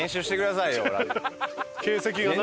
形跡がない。